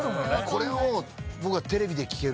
これを僕は。